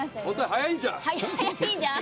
早いんじゃ。